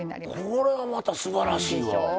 これはまたすばらしいわ。でしょう。